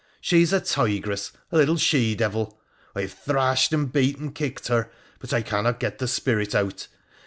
She is a tigress, a little she devil. I have thrashed and beat and kicked her, but I cannot get the spirit out.